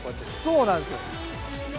そうなんですよ。